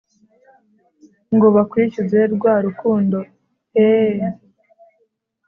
ngo bakwishyuze rwa rukundo eee